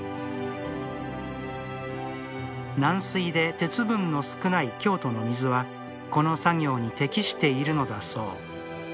軟水で鉄分の少ない京都の水はこの作業に適しているのだそう。